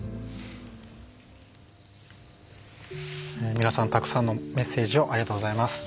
皆さん、たくさんのメッセージありがとうございます。